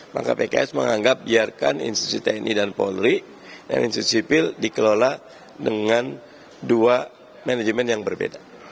maka pks menganggap biarkan institusi tni dan polri dan institusi dikelola dengan dua manajemen yang berbeda